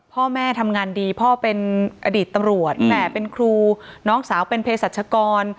พ่อแม่ทำงานดีพ่อเป็นอดีตตำรวจแม่เป็นครูน้องสาวเป็นเพศรัชกร